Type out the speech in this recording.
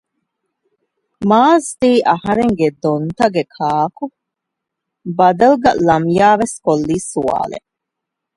މާޒްތީ އަހަރެންގެ ދޮންތަގެ ކާކު؟ ބަދަލުގައި ލަމްޔާވެސް ކޮށްލީ ސުވާލެއް